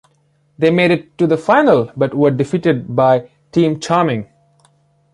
They made it to the final but were defeated by "Team Charming".